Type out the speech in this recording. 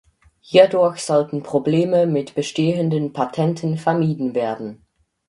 Hierdurch sollten Probleme mit bestehenden Patenten vermieden werden.